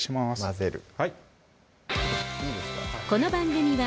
混ぜる